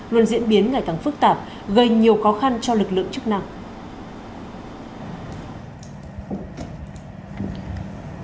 luôn diễn biến ngày càng phức tạp gây nhiều khó khăn cho lực lượng chức năng